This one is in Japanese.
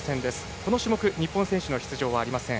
この種目、日本選手の出場はありません。